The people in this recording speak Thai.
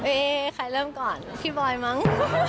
เอ๊ใครเริ่มก่อนพี่บอยมั้ง